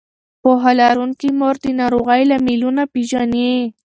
پوهه لرونکې مور د ناروغۍ لاملونه پېژني.